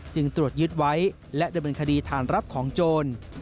จึงตรวจยึดไว้และดำเนินคดีฐานรับของโจร